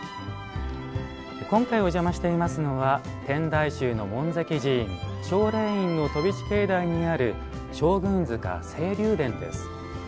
今回、お邪魔していますのは天台宗の門跡寺院、青蓮院の飛地境内にある将軍塚青龍殿です。